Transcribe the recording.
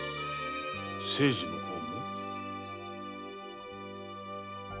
清次の方も？